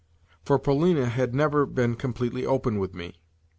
For Polina had never been completely open with me.